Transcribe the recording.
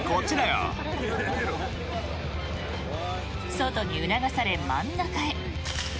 ソトに促され、真ん中へ。